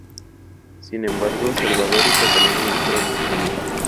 Sin embargo, Salvador y Catalina lucharán por su amor.